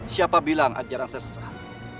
siapa bilang ajaran saya sesat